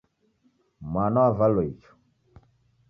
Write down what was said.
Mwana wavalo icho